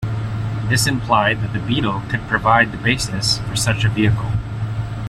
This implied that the Beetle could provide the basis for such a vehicle.